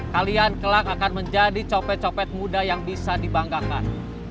kalian kelak akan menjadi copet copet muda yang bisa dibanggakan